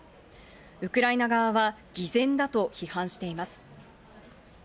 ウクライナ側は偽善だと批判しています。